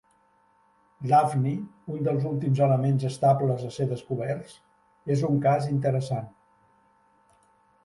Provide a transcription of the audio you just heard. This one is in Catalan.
L'hafni, un dels últims elements estables a ser descoberts, és un cas interessant.